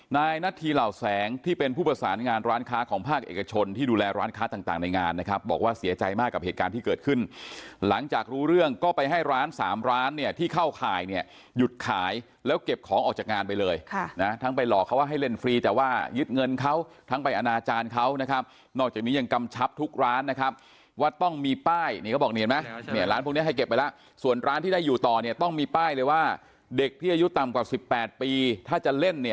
นายนัทธีเหล่าแสงที่เป็นผู้ประสานงานร้านค้าของภาคเอกชนที่ดูแลร้านค้าต่างต่างในงานนะครับบอกว่าเสียใจมากกับเหตุการณ์ที่เกิดขึ้นหลังจากรู้เรื่องก็ไปให้ร้านสามร้านเนี่ยที่เข้าข่ายเนี่ยหยุดขายแล้วเก็บของออกจากงานไปเลยค่ะนะทั้งไปหลอกเขาว่าให้เล่นฟรีแต่ว่ายึดเงินเขาทั้งไปอนาจารย์เขานะครับนอกจ